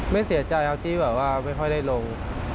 เสียใจครับที่แบบว่าไม่ค่อยได้ลง